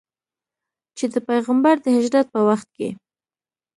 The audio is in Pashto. چې د پیغمبر د هجرت په وخت کې.